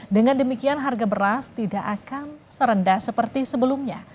dengan demikian harga beras tidak akan serendah seperti sebelumnya